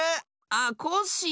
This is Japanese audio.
あっコッシー。